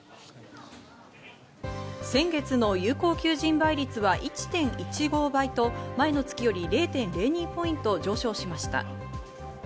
先月の有効求人倍率は１．１５倍と前の月より０．０２ポイント上昇しました。